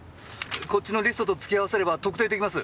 こっちのリストつきあわせれば特定できます！